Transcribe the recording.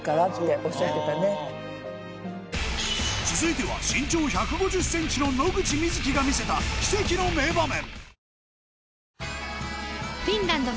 続いては身長１５０センチの野口みずきが魅せた奇跡の名場面